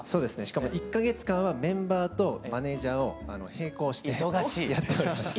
しかも１か月間はメンバーとマネージャーを並行してやっておりました。